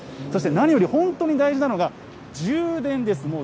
そして何より本当に大事なのが充電です。